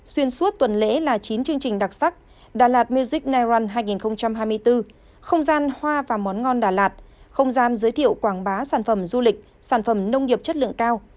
xuyên suốt tuần lễ là chín chương trình đặc sắc đà lạt music naun hai nghìn hai mươi bốn không gian hoa và món ngon đà lạt không gian giới thiệu quảng bá sản phẩm du lịch sản phẩm nông nghiệp chất lượng cao